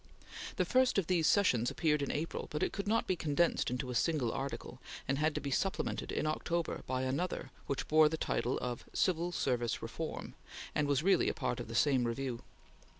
The first of these "Sessions" appeared in April, but it could not be condensed into a single article, and had to be supplemented in October by another which bore the title of "Civil Service Reform," and was really a part of the same review.